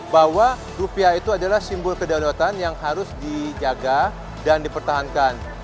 bahwa rupiah itu adalah simbol kedaulatan yang harus dijaga dan dipertahankan